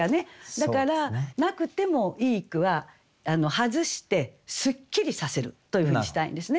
だからなくてもいい句は外してすっきりさせるというふうにしたいんですね。